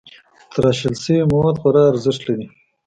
تراشل شوي مواد خوري ارزښت لري.